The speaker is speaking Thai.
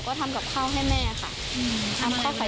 แม่เป็นโรคเกาะค่ะเพราะว่าแม่กินยาเยอะไป